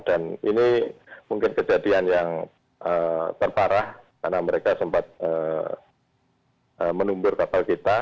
dan ini mungkin kejadian yang terparah karena mereka sempat menumbur kapal kita